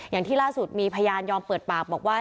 อย่างที่ล่าสุดมีพยานยอมเปิดปากบอกว่า